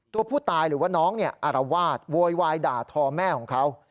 ตัวผู้ตายหรือว่าน้องเนี่ยอารวาสโวยวายด่าทอแม่ของเขา